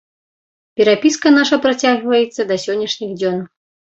Перапіска наша працягваецца да сённяшніх дзён.